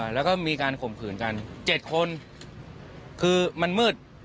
แล้วก็มีการข่มขืนกัน๗คนคือมันมืด